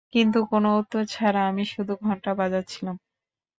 কিন্তু কোন উত্তর ছাড়া আমি শুধু ঘন্টা বাজাচ্ছিলাম।